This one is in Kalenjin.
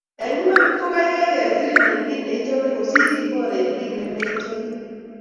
Eng imanit kogegei kesirin eng kiy neichamekosir iboor eng kiy nemaichame